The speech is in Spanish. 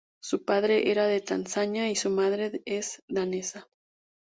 Su padre era de Tanzania y su madre es danesa.